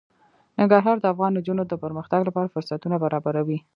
ننګرهار د افغان نجونو د پرمختګ لپاره فرصتونه برابروي.